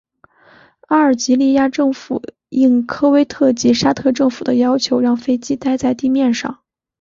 阿尔及利亚政府应科威特及沙特政府的要求让飞机待在地面上。